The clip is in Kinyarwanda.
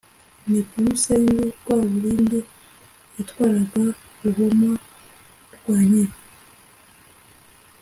Nepomuseni Rwaburindi yatwaraga Buhoma-Rwankeri.